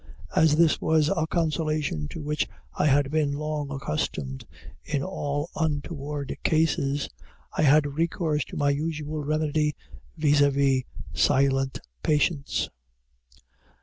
As this was a consolation to which I had been long accustomed in all untoward cases, I had recourse to my usual remedy, viz., silent patience.